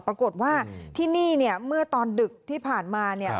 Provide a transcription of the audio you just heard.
ปรากฏว่าที่นี่เมื่อตอนดึกที่ผ่านมาเนี่ย